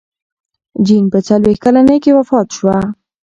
جین په څلوېښت کلنۍ کې وفات شوه.